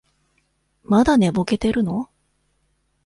まだ寝ぼけてるの？